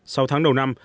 sau tháng đầu năm